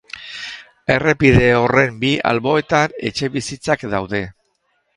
Errepide horren bi alboetan etxebizitzak daude.